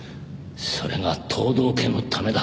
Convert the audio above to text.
それが東堂家のためだ。